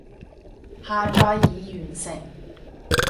下載已完成